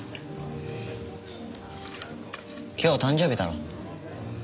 今日誕生日だろ？